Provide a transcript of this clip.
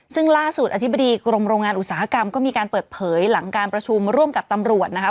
ซึ่งล่าสุดอธิบดีกรมโรงงานอุตสาหกรรมก็มีการเปิดเผยหลังการประชุมร่วมกับตำรวจนะคะ